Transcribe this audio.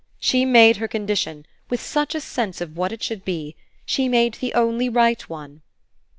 "She made her condition with such a sense of what it should be! She made the only right one."